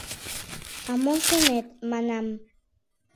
«А мо шонет? — манам.